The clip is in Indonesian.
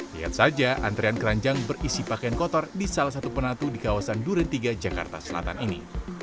lihat saja antrean keranjang berisi pakaian kotor di salah satu penatu di kawasan duren tiga jakarta selatan ini